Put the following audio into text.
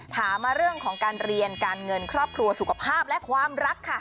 ถามมาเรื่องของการเรียนการเงินครอบครัวสุขภาพและความรักค่ะ